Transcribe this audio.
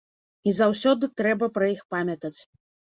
І заўсёды трэба пра іх памятаць.